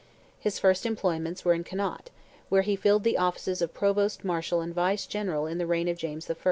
His first employments were in Connaught, where he filled the offices of Provost Marshal and Vice Governor in the reign of James I.